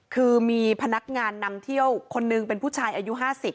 คือมีพนักงานนำเที่ยวคนหนึ่งเป็นผู้ชายอายุ๕๐